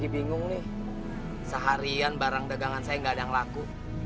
bingung nih seharian barang dagangan saya gak ada yang laku